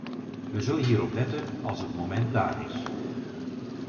We zullen hierop letten als het moment daar is.